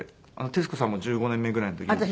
徹子さんも１５年目ぐらいの時に。